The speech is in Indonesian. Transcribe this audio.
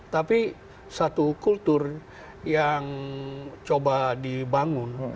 tapi satu kultur yang coba dibangun